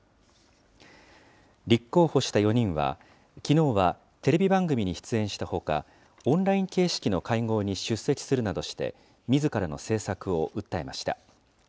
立候補した４人は、きのうはテレビ番組に出演したほか、オンライン形式の会合に出席するなどして、みずからの政策を訴えました。